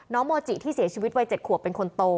น้องโมจี้ที่เสียชีวิตวัยเจ็ดขวบเป็นคนโต